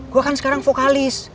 gue kan sekarang vokalis